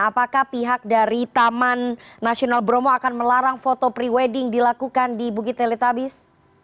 apakah pihak dari taman nasional bromo akan melarang foto pre wedding dilakukan di bukit teletabis